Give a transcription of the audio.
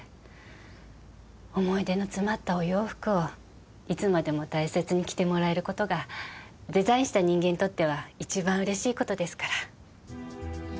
思い出の詰まったお洋服をいつまでも大切に着てもらえる事がデザインした人間にとっては一番うれしい事ですから。